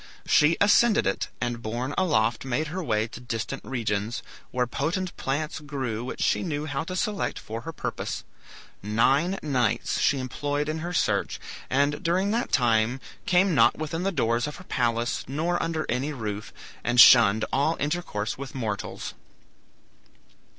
She ascended it, and borne aloft made her way to distant regions, where potent plants grew which she knew how to select for her purpose. Nine nights she employed in her search, and during that time came not within the doors of her palace nor under any roof, and shunned all intercourse with mortals.